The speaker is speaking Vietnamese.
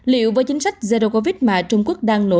liệu với chính sách zero covid mà trung quốc đang nổi